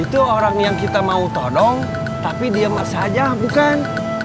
itu orang yang kita mau todong tapi dia masih aja bukan